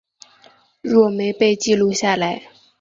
若没被记录下来